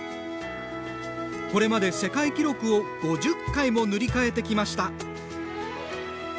これまで、世界記録を５０回も塗り替えてきました。